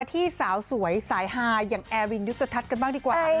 ที่สาวสวยสายฮาอย่างแอร์รินยุทธ์กันบ้างดีกว่า